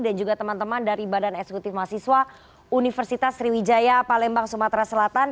dan juga teman teman dari badan eksekutif mahasiswa universitas sriwijaya palembang sumatera selatan